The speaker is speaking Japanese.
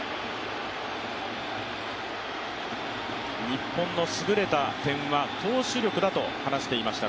日本のすぐれた点は投手力だと話していました